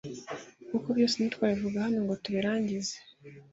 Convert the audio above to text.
kuko byose ntitwabivuga hano ngo tubirangize,